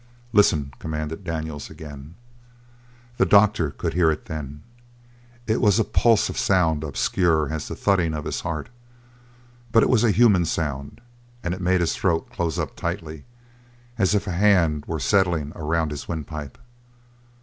"Listen!" commanded Daniels again. The doctor could hear it then. It was a pulse of sound obscure as the thudding of his heart. But it was a human sound and it made his throat close up tightly, as if a hand were settling around his wind pipe.